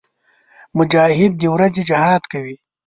مجاهد د ورځې جهاد کوي.